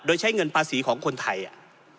โดยใช้เงินภาษีของคนไทยอ่ะ